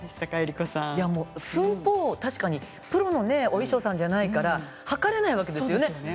寸法、確かにプロのお衣装さんじゃないから測れないわけですよね。